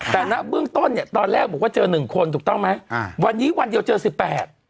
แต่นะเบื้องต้นเนี่ยตอนแรกบอกว่าเจอ๑คนถูกต้องไหมวันนี้วันเดียวเจอ๑๘